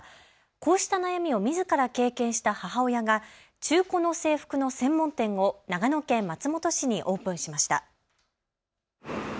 こうした悩みをみずから経験した母親が中古の制服の専門店を長野県松本市にオープンしました。